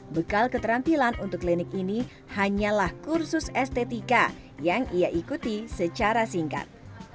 bekal keterampilan untuk klinik ini hanyalah kursus estetika yang ia ikuti secara singkat